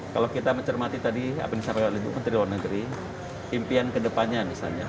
kalau kita mencermati tadi apa yang saya katakan menteri luar negeri impian ke depannya misalnya